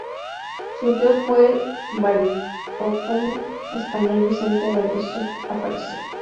Su tío fue el barítono español Vicente Ballester Aparicio.